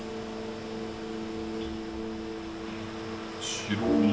白い。